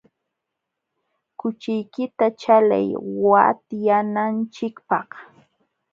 Kuchiykita chalay watyananchikpaq.